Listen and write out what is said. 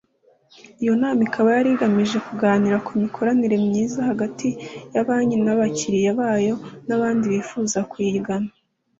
Iyo nama ikaba yarigamije kuganira ku mikoranire myiza hagati ya Banki n’abakiriya bayo n’abandi bifuza kuyigana